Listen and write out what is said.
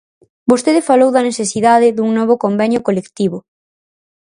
Vostede falou da necesidade dun novo convenio colectivo.